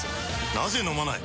なぜ飲まない？